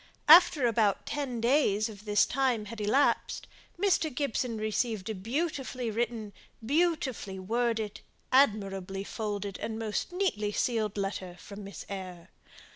After about ten days of this time had elapsed, Mr. Gibson received a beautifully written, beautifully worded, admirably folded, and most neatly sealed letter from Miss Eyre.